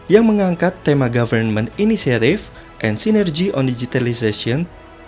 yang mengangkat tema government initiative and sinergy on digitalization